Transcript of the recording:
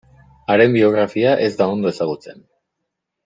Haren biografia ez da ondo ezagutzen.